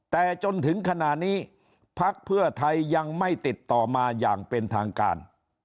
แต่จนถึงขณะนี้พักเพื่อไทยยังไม่ติดต่อมาอย่างเป็นทางการ